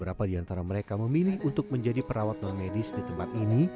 beberapa orang di antara mereka memilih untuk menjadi perawat normedis di tempat ini